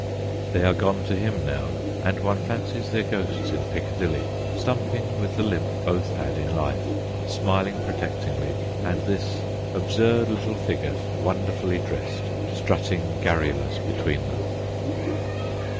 They are gone to him now, and one ftncies their ghosts in Piccadilly, stumping with the limp both had in life, smiling protectingly, and this absurd little figure, wonderfully dressed, strutting garru lous between them.